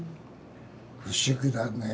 不思議だねえ